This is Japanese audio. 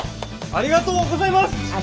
ありがとうございます。